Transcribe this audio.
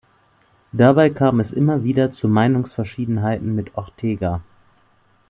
Dabei kam es immer wieder zu Meinungsverschiedenheiten mit Ortega.